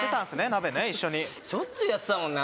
鍋ね一緒にしょっちゅうやってたもんな